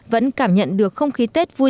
vẫn cảm nhận được không khí tết vui